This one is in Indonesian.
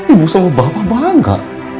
ibu sama bapak bangga